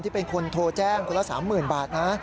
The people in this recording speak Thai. เป็นคนโทรแจ้งคนละ๓๐๐๐บาทนะ